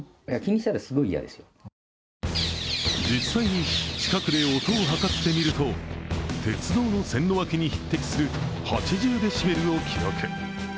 実際に近くで音を測ってみると鉄道の線路脇に匹敵する８０デシベルを記録。